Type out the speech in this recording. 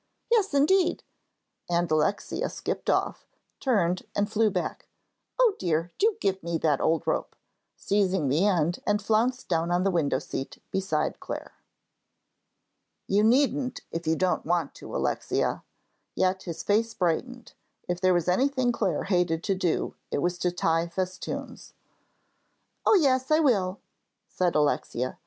"Yes, indeed," and Alexia skipped off, turned, and flew back. "O dear, do give me that old rope," seized the end, and flounced down on the window seat beside Clare. "You needn't if you don't want to, Alexia," yet his face brightened. If there was anything Clare hated to do it was to tie festoons. "Oh, yes, I will," said Alexia.